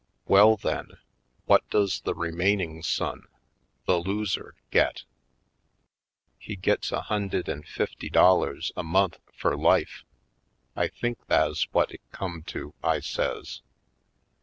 Well, then, what does the remaining son — the loser — get?" "He gits a hund'ed an' fifty dollars a month fur life — I think tha's whut it come to," I says.